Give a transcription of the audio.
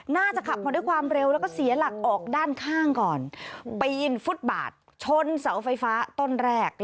ขับมาด้วยความเร็วแล้วก็เสียหลักออกด้านข้างก่อนปีนฟุตบาทชนเสาไฟฟ้าต้นแรก